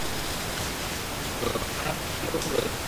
তুমি ধৈর্য ধর, কেননা তুমি সত্যের উপর রয়েছ।